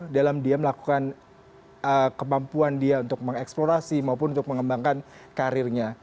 dalam dia melakukan kemampuan dia untuk mengeksplorasi maupun untuk mengembangkan karirnya